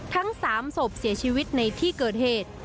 ทั้ง๓ศพเสียชีวิตในที่เกิดเหตุ